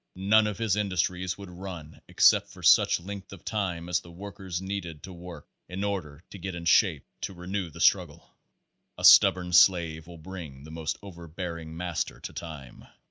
None of his industries would run except for such length of time as the work ers needed to work in order to get in shape to renew the struggle. A stubborn slave will bring the most overbearing master to time.